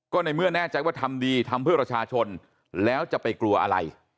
ก็ในเมื่อแน่ใจว่าทำดีทำเพื่อประชาชนแล้วจะไปกลัวอะไร